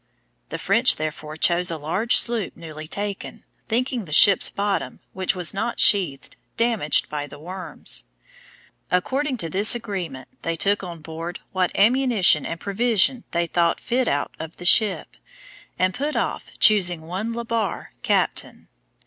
The French therefore chose a large sloop newly taken, thinking the ship's bottom, which was not sheathed, damaged by the worms. According to this agreement they took on board what ammunition and provision they thought fit out of the ship, and put off, choosing one Le Barre captain.